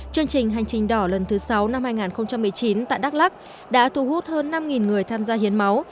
chương trình hành trình đỏ lần thứ sáu năm hai nghìn một mươi chín tại đắk lắc đã thu hút hơn năm người tham gia hiến máu